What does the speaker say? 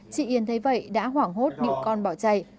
chị yên thấy vậy đã hoảng hốt bị con bỏ chạy